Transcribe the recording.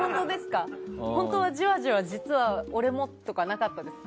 本当はじわじわ俺もとかなかったですか？